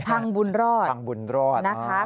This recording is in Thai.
พังบุญรอด